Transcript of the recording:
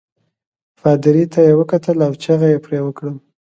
پادري ته یې وکتل او چغه يې پرې وکړل.